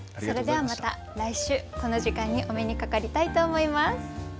それではまた来週この時間にお目にかかりたいと思います。